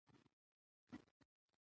اداري اصول د انصاف د ټینګښت وسیله ده.